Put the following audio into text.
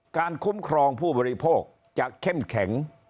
คุ้มครองผู้บริโภคจะเข้มแข็ง